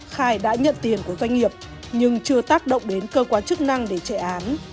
khai đã nhận tiền của doanh nghiệp nhưng chưa tác động đến cơ quan chức năng để chạy án